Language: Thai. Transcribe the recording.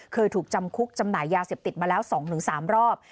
เคยถูกจำคุกจำหน่ายยาเสพติดมาแล้ว๒๓รอบ